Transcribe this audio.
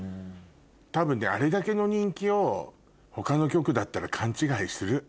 多分ねあれだけの人気を他の局だったら勘違いする。